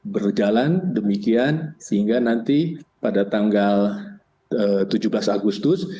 berjalan demikian sehingga nanti pada tanggal tujuh belas agustus